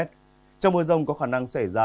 trong mưa rông có khả năng xảy ra